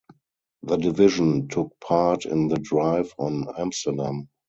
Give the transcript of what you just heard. The division took part in the drive on Amsterdam.